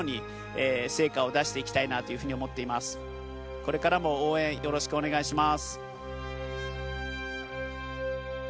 これからも応援よろしくお願いします。